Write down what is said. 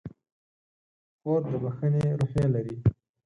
خور د بښنې روحیه لري.